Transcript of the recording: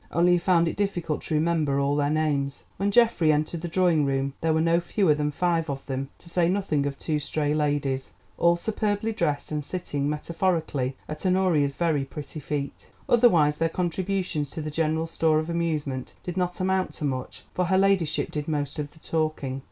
Only he found it difficult to remember all their names. When Geoffrey entered the drawing room there were no fewer than five of them, to say nothing of two stray ladies, all superbly dressed and sitting metaphorically at Honoria's very pretty feet. Otherwise their contributions to the general store of amusement did not amount to much, for her ladyship did most of the talking.